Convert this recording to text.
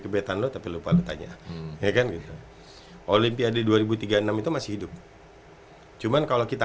gebetan lu tapi lupa katanya ya kan gitu olimpiade dua ribu tiga puluh enam itu masih hidup cuman kalau kita